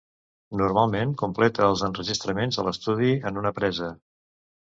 Normalment completa els enregistraments a l'estudi en una presa.